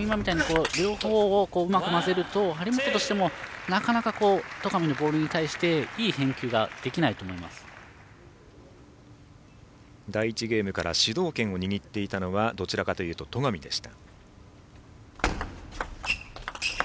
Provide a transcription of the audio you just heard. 今みたいに両方をうまく交ぜると張本としてもなかなか戸上のボールに対して第１ゲームから主導権を握っていたのはどちらかというと戸上でした。